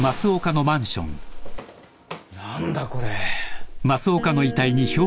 何だこれ！？